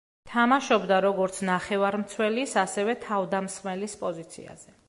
თამაშობდა როგორც ნახევარმცველის, ასევე, თავდამსხმელის პოზიციაზე.